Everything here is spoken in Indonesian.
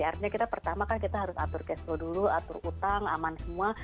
artinya kita pertama kan kita harus atur cash flow dulu atur utang aman semua